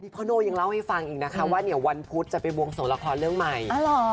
พ่อโน่ยังเล่าให้ฟังอีกนะคะว่าเดี๋ยววันพุธจะไปบวงสวงละครเรื่องใหม่